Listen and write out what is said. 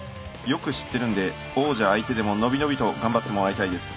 よく知ってるんで王者相手でも伸び伸びと頑張ってもらいたいです。